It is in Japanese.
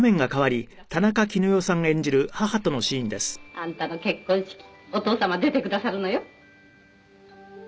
「あんたの結婚式お父様出てくださるのよ」